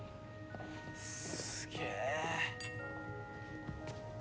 すげえ！